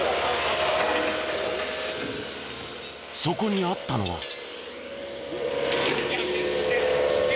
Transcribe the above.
そこにあったのは。